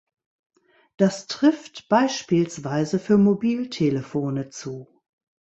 Das trifft beispielsweise für Mobiltelefone zu.